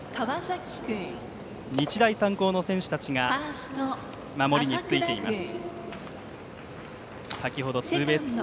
日大三高の選手たちが守りについています。